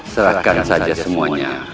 serahkan saja semuanya